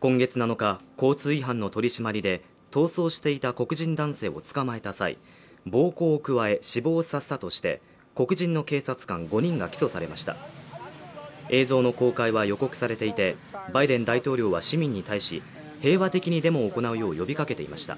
今月７日交通違反の取り締まりで逃走していた黒人男性をつかまえた際暴行を加え死亡させたとして黒人の警察官５人が起訴されました映像の公開は予告されていてバイデン大統領は市民に対し平和的にデモを行うよう呼びかけていました